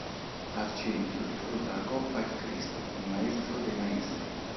Al centro, di fronte alla coppa, il Cristo, il Maestro dei Maestri.